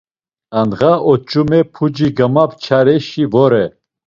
Andğa oç̌ume puci gamapçareşi vore.